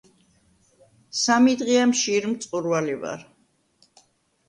– სამი დღეა მშიერ-მწყურვალი ვარ!